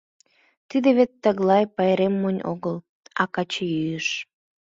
Тиде вет тыглай пайрем монь огыл, а — качыйӱыш.